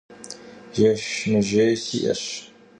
Jjeş mıjjêy si'eş.